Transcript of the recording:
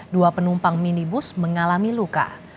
dua penumpang minibus mengalami luka